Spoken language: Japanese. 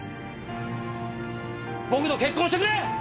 僕と結婚してくれ！